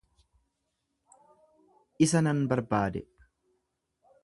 Isa nan barbaade.